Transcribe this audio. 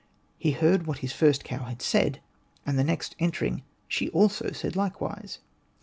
'' He heard what his first cow had said ; and the next entering she also said likewise.''